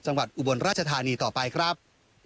จังหวัดอุบลราชธานีต่อไปครับ